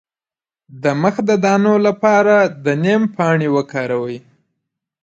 د مخ د دانو لپاره د نیم پاڼې وکاروئ